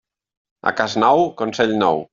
A cas nou, consell nou.